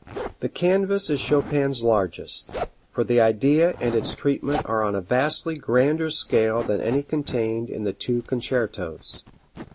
The canvas is Chopin's largest for the idea and its treatment are on a vastly grander scale than any contained in the two concertos.